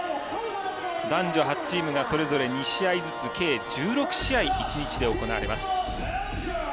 男女８チームがそれぞれ２試合ずつ計１６試合１日で行われます。